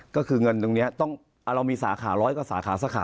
ก็คือเงินตรงนี้เรามีสาขาร้อยกว่าสาขาสาขา